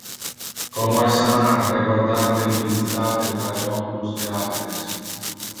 Como es amar reguardar le felicitate tra le oculos del alteres.